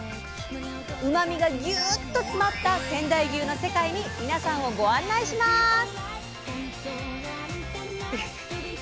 うまみがギュウっと詰まった仙台牛の世界に皆さんをご案内します！